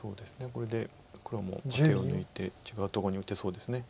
これで黒も手を抜いて違うとこに打てそうです。